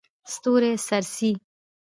ستوري څرڅي.